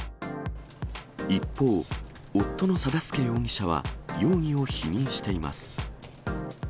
一方、夫の定助容疑者は容疑を否認しています。